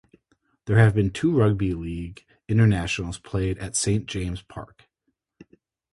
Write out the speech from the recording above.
There have been two rugby league internationals played at Saint James' Park.